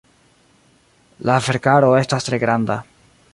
La verkaro estas tre granda.